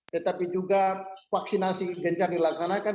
tetapi juga vaksinasi gencar dilaksanakan